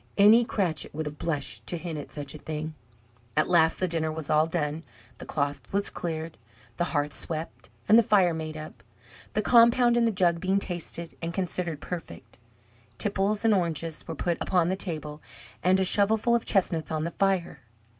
Any Cratchit would have blushed to hint at such a thing. At last the dinner was all done, the cloth was cleared, the hearth swept, and the fire made up. The compound in the jug being tasted, and considered perfect, tipples and oranges were put upon the table, and a shovelful of chestnuts on the fire.